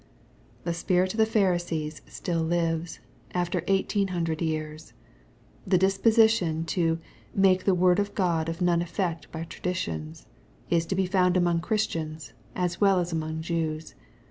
The spirit of the Pharisees still lives, after eighteen hundred years. The disposition to " make the word of God of none effect by traditions," is to be found among Christians, as well as among Jews.